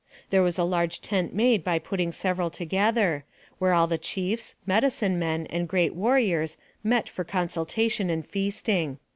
There was a large tent made by putting several together, where all the chiefs, medicine men, and great warriors met for consultation and feasting.